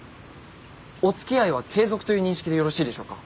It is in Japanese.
おつきあいは継続という認識でよろしいでしょうか。